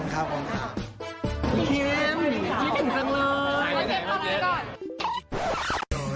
ขอบคุณมากค่ะ